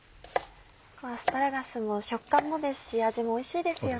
アスパラガスも食感もですし味もおいしいですよね。